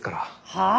はあ！？